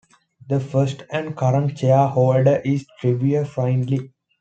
The first and current chair holder is Trevor Findlay.